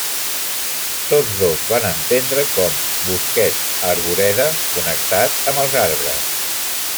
Tots dos van entendre com, bosquet, arboreda, connectat amb els arbres.